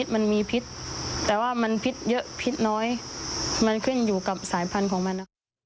มันมีพิษแต่ว่ามันพิษเยอะพิษน้อยมันขึ้นอยู่กับสายพันธุ์ของมันนะคะ